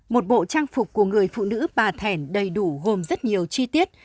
một bộ trang phục của người phụ nữ bà thẻn đầy đủ gồm rất nhiều chi tiết